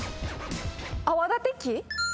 泡立て器？